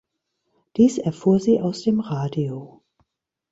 Dies erfuhr sie aus dem Radio.